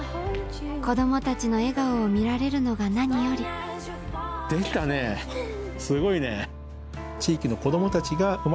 子供たちの笑顔を見られるのが何よりできたねすごいね。